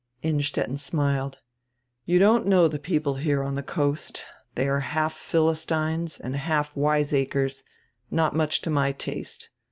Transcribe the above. Innstetten smiled. "You don't know the people here on the coast They are half Philistines and half wiseacres, not much to my taste.